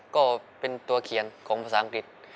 ก็เป็นตัวเขียนของภาษาอังกฤษ